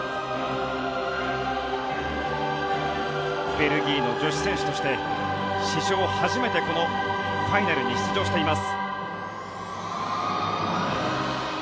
ベルギーの女子選手として史上初めてこのファイナルに出場しています。